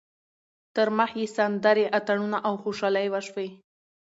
تر مخ یې سندرې، اتڼونه او خوشحالۍ وشوې.